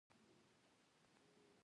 نور الله استاذ صېب د چاے نه ګوټ کولو